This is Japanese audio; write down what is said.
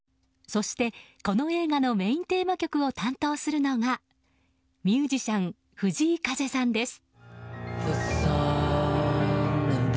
そして、この映画のメインテーマ曲を担当するのがミュージシャン藤井風さんです。